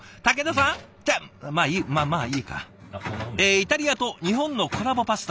イタリアと日本のコラボパスタ。